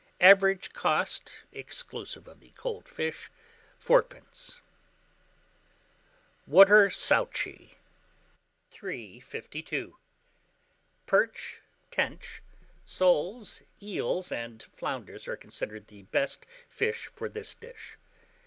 Average cost, exclusive of the cold fish, 4d. WATER SOUCHY. 352. Perch, tench, soles, eels, and flounders are considered the best fish for this dish.